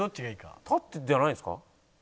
立ってじゃないんですか？